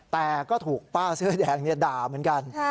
แต่ก็ถูกป้าเสื้อแดงด่าเหมือนกัน